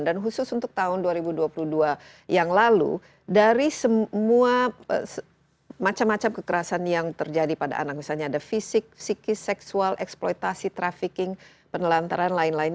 dan khusus untuk tahun dua ribu dua puluh dua yang lalu dari semua macam macam kekerasan yang terjadi pada anak misalnya ada fisik psikis seksual eksperimen dan lain lain